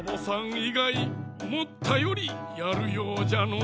いがいおもったよりやるようじゃのう。